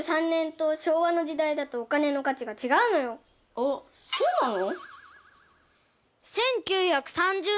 あっそうなの？